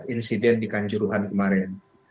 insiden di kanjuruhan kemarin